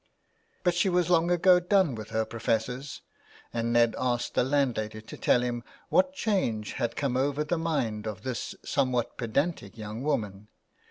But she was long ago done with the professors, and Ned asked the landlady to tell him what change had come over the mind of this somewhat pedantic young woman.